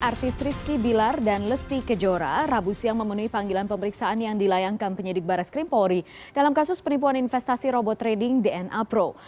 artis rizky bilar dan lesti kejora rabu siang memenuhi panggilan pemeriksaan yang dilayangkan penyidik barres krim polri dalam kasus penipuan investasi robot trading dna pro